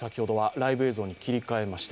ライブ映像に切り替えました。